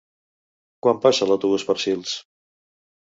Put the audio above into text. Quan passa l'autobús per Sils?